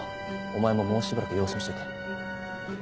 お前ももうしばらく様子見しといて。